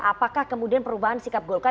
apakah kemudian perubahan sikap golkar